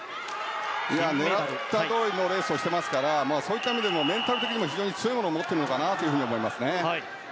狙ったどおりのレースをしていますからそういった意味でもメンタル的にも強いものを持っているのかなと思います。